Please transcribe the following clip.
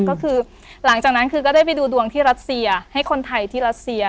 ก็คือหลังจากนั้นคือก็ได้ไปดูดวงที่รัสเซียให้คนไทยที่รัสเซีย